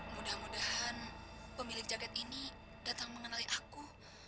mudah mudahan pemilik jaket ini datang mengenali aku